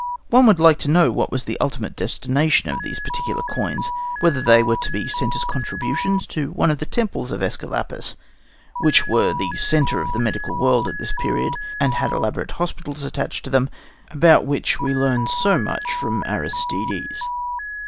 One would like to know what was the ultimate destination of these particular coins whether they were to be sent as contributions to one of the temples of Æsculapius, which were the centre of the medical world at this period, and had elaborate hospitals attached to them, about which we learn so much from Aristides.